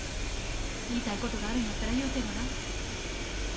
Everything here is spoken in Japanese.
言いたいことがあるんやったら言うてごらん。